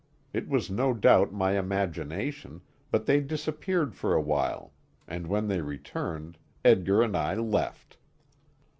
It was no doubt my imagination, but they disappeared for a while, and when they returned, Edgar and I left.